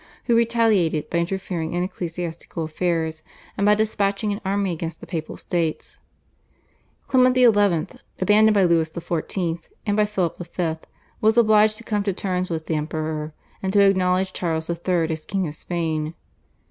who retaliated by interfering in ecclesiastical affairs and by despatching an army against the Papal States. Clement XI., abandoned by Louis XIV. and by Philip V. was obliged to come to terms with the Emperor, and to acknowledge Charles III. as king of Spain.